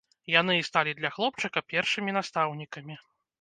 Яны і сталі для хлопчыка першымі настаўнікамі.